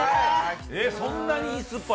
そんなに酸っぱい？